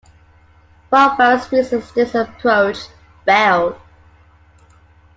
For various reasons this approach failed.